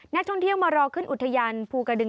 นักท่องเที่ยวมารอขึ้นอุทยานภูกระดึง